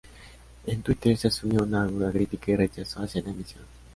En Twitter se asumió una aguda crítica y rechazo hacia la emisión.